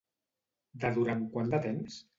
De durant quant de temps?